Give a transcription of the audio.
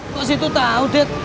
kok situ tau dit